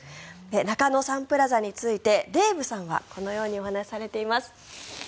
中野サンプラザについてデーブさんはこのようにお話しされています。